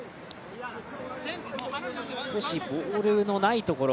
少しボールのないところ